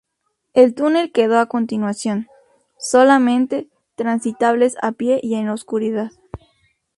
El túnel quedó a continuación, solamente transitables a pie y en oscuridad.